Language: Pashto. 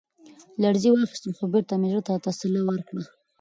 لـړزې واخيسـتم ، خـو بـېرته مـې زړه تـه تـسلا ورکړه.